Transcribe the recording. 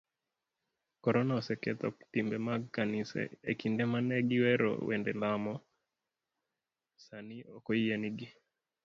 Korona oseketho timbe mag kanise, ekinde mane giwero wende lamo, sani okoyienegi.